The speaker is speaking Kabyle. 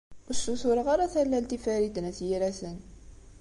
Ur as-ssutureɣ ara tallalt i Farid n At Yiraten.